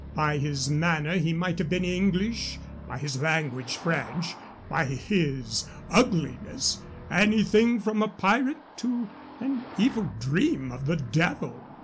By his manner he might have been English, by his language French, by his ugliness anything from a pirate to an evil dream of the Devil.